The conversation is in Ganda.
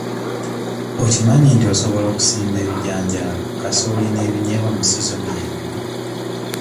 Okimanyi nti osobola okusimba ebijanjaalo, kasooli n'ebinyeebwa mu sizoni emu?